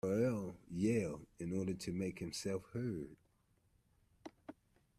Raoul yelled, in order to make himself heard.